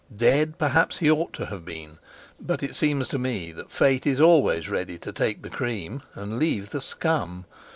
Dead perhaps he ought to have been, but it seems to me that fate is always ready to take the cream and leave the scum.